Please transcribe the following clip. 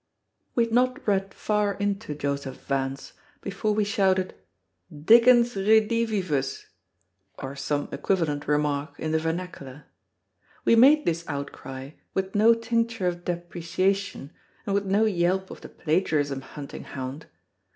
We had not read far into Joseph Vance before we shouted Dickens Redivivus! or some equivalent remark in the vernacular. We made this outcry with no tincture of depreciation and with no yelp of the plagiarism hunting hound.